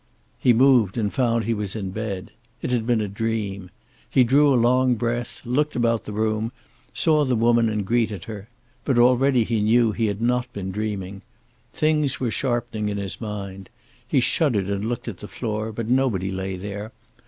He moved and found he was in bed. It had been a dream. He drew a long breath, looked about the room, saw the woman and greeted her. But already he knew he had not been dreaming. Things were sharpening in his mind. He shuddered and looked at the floor, but nobody lay there.